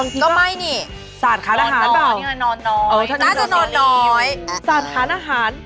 ก็ไม่เหรอ